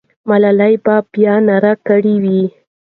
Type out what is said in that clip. ملالۍ به بیا ناره کړې وي.